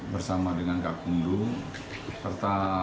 bersama dengan pemirsa